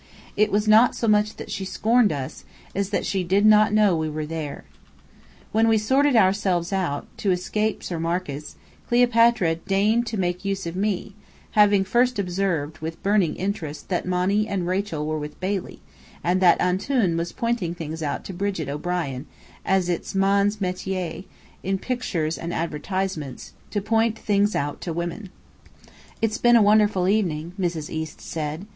It was not so much that she scorned us, as that she did not know we were there. When we sorted ourselves out, to escape Sir Marcus, Cleopatra deigned to make use of me, having first observed (with burning interest) that Monny and Rachel were with Bailey, and that "Antoun" was pointing things out to Brigit O'Brien, as it is Man's métier (in pictures and advertisements) to point things out to Woman. "It's been a wonderful evening," Mrs. East said.